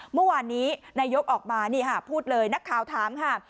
เมื่อวานนี้นายกออกมานี่ค่ะพูดเลยนักข่าวถามค่ะ